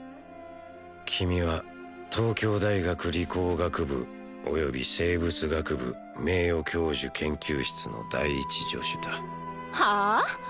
君は党京大学理工学部および生物学部名誉教授研究室の第一助手だはあ？